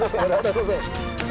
terima kasih pak